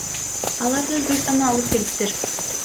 Аларды Өзбекстандан алып келиптир.